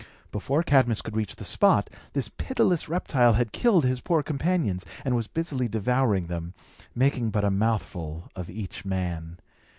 Before Cadmus could reach the spot, this pitiless reptile had killed his poor companions, and was busily devouring them, making but a mouthful of each man.